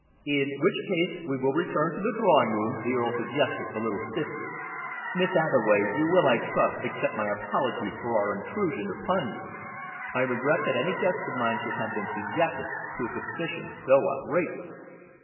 "In which case we will return to the drawing room," the Earl suggested a little stiffly. "Miss Abbeway, you will, I trust, accept my apologies for our intrusion upon you. I regret that any guest of mine should have been subjected to a suspicion so outrageous."